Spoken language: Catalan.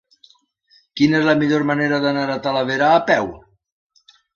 Quina és la millor manera d'anar a Talavera a peu?